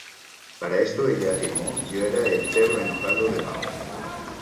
Para esto, ella afirmó: "Yo era el perro enojado de Mao.